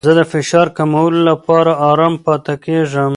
زه د فشار کمولو لپاره ارام پاتې کیږم.